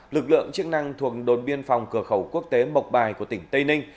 lực lượng chức năng thuộc đồn biên phòng cửa khẩu quốc tế mộc bài của tỉnh tây ninh